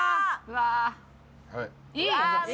はい。